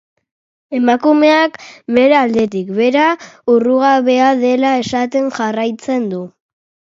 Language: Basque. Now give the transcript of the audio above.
Emakumeak, bere aldetik, bera errugabea dela esaten jarraitzen du.